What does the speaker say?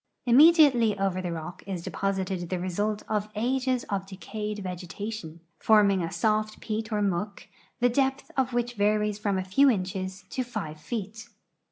Immediately over the rock is deposited the result of ages of de cayed vegetation, forming a soft peat or muck, the depth of Avhich varies from a few inches to five feet.